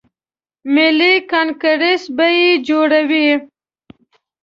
ملي کانګریس به یې جوړوي.